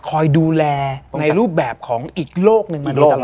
คอยดูแลในรูปแบบของอีกโลกหนึ่ง